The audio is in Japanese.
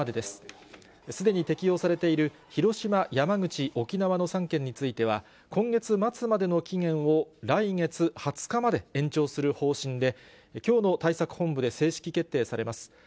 すでに適用されている広島、山口、沖縄の３県については、今月末までの期限を来月２０日まで延長する方針で、きょうの対策本部で正式決定されます。